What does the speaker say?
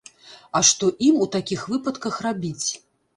Але што ім у такіх выпадках рабіць?